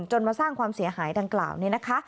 มาสร้างความเสียหายดังกล่าวนี้นะคะ